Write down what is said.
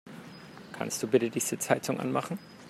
Kannst du bitte die Sitzheizung anmachen?